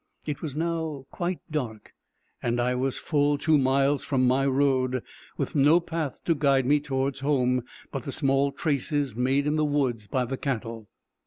It was now quite dark, and I was full two miles from my road, with no path to guide me towards home, but the small traces made in the woods by the cattle.